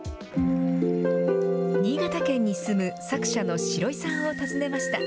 新潟県に住む作者のシロイさんを訪ねました。